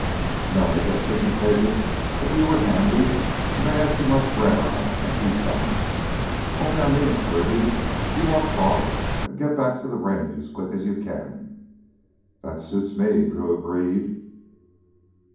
No, I guess we can take it that you were handy and they had too much red eye on empty stomachs. Only, I mean it, Kirby, you walk soft and get back to the Range as quick as you can." "That suits me," Drew agreed.